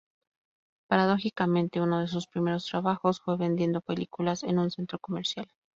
Paradójicamente, uno de sus primeros trabajos fue vendiendo películas en un centro comercial.